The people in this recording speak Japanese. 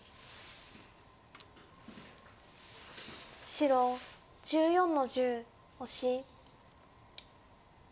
白１４の十オシ。